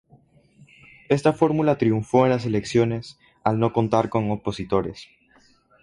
Esta fórmula triunfó en las elecciones, al no contar con opositores.